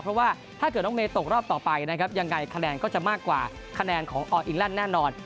เพราะว่าถ้าเกิดน้องเมย์ตกรอบต่อไปนะครับยังไงคะแนนก็จะมากกว่าคะแนนของออิงแลนด์แน่นอน